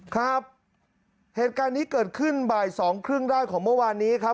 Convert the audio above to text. ครับเหตุการณ์นี้เกิดขึ้นบ่ายสองครึ่งได้ของเมื่อวานนี้ครับ